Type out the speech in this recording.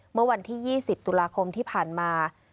เมื่อวันที่๒๐ตุลาคมที่ผ่านมา